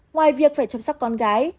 ngoài việc phải chăm sóc con gái